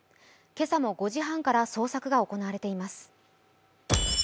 今朝も５時半から捜索が行われています。